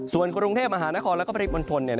ส่วนกรุงเทพอาหารคอและประดิษฐ์วันทน